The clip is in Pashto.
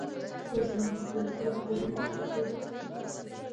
د سمنګان په دره صوف پاین کې څه شی شته؟